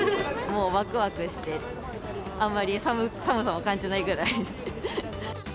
もうわくわくして、あんまり寒さも感じないぐらい。